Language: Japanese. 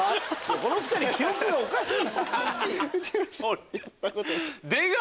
この２人記憶がおかしい。